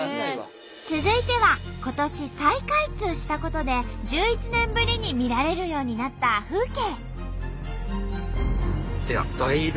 続いては今年再開通したことで１１年ぶりに見られるようになった風景。